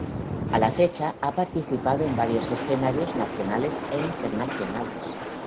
A la fecha, ha participado en varios escenarios nacionales e internacionales.